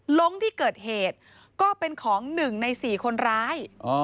ลงที่เกิดเหตุก็เป็นของ๑ใน๔คนร้าย